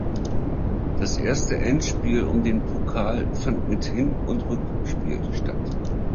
Das erste Endspiel um den Pokal fand mit Hin- und Rückspiel statt.